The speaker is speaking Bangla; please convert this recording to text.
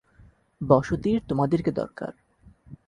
বসতির তোমাদেরকে দরকার।